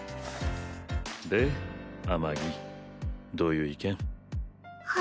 でアマギどういう意見？